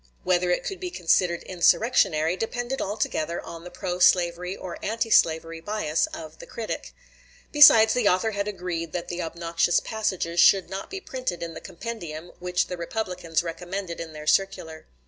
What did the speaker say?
Whether it could be considered "insurrectionary" depended altogether on the pro slavery or anti slavery bias of the critic. Besides, the author had agreed that the obnoxious passages should not be printed in the compendium which the Republicans recommended in their circular.